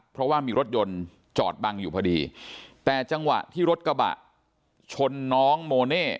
เพราะว่ามีรถยนต์จอดบังอยู่พอดีแต่จังหวะที่รถกระบะชนน้องโมเน่